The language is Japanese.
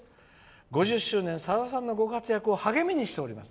５０周年、さださんのご活躍を励みにしております」。